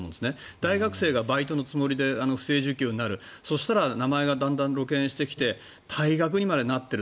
大学生がバイトのつもりで不正受給になるそうなると名前がだんだん露見してきて退学にまでなっている。